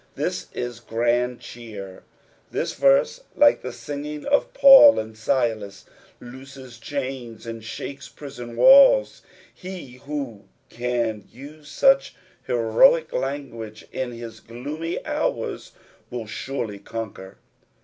This is grnnd cheer. This verse, like the singing of Paul and Silas, looses chains and shakes prison walls. He who can use such heroic language in his gloomy hours will surely conquer.